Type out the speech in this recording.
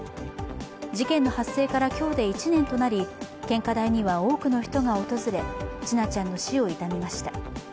事件の発生から今日で１年となり、献花台には多くの人が訪れ、千奈ちゃんの死を悼みました。